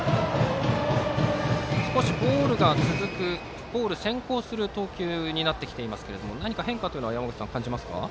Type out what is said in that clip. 少しボール先行する投球になっていますが何か変化というのは山口さん、感じますか？